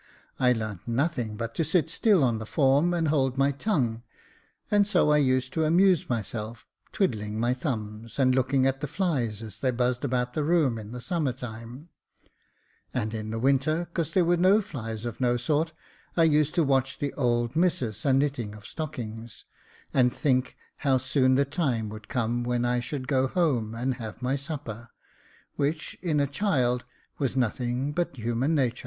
I larnt nothing but to sit still on the form and hold my tongue, and so I used to amuse myself twiddling my thumbs, and looking at the flies as they buzzed about the room in the summer time ; and in the winter, 'cause there was no flies of no sort, I used to watch the old missus a knitting of stockings, and think how soon the time would come when I should go home and have my supper, which, in a child, was nothing but human natur.